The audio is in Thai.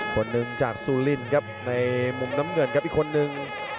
คนหนึ่งจากซูลินครับในมุมน้ำเงินครับอีกคนนึง